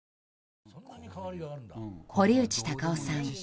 堀内孝雄さん